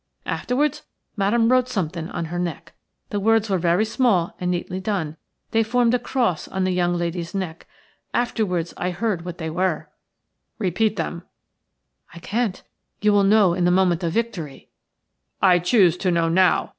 Afterwards Madame wrote something on her neck. The words were very small and neatly done – they formed a cross on the young lady's neck. Afterwards I heard what they were." "MADAME WROTE SOMETHING ON HER NECK." "Repeat them." "I can't. You will know in the moment of victory." "I choose to know now.